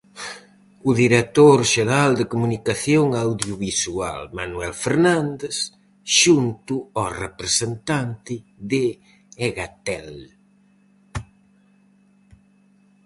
O director xeral de Comunicación Audiovisual, Manuel Fernández, xunto ao representante de Egatel.